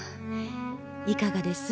いかがです？